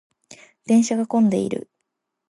電車が混んでいる。